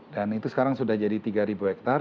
dan itu sekarang sudah jadi tiga ribu hektare